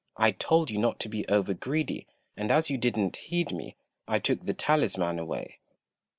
I told you not to be over greedy, and as you didn't heed me, I took the talisman away."